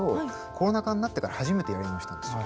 コロナ禍になってから初めてやり直したんですよ。